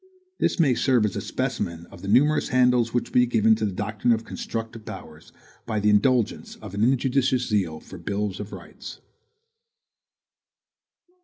This may serve as a specimen of the numerous handles which would be given to the doctrine of constructive powers, by the indulgence of an injudicious zeal for bills of rights.